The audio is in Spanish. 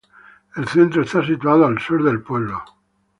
El centro está situado al sur del pueblo.